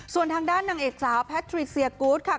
ส่วนทางด้านนางเอกสาวแพทริเซียกูธค่ะ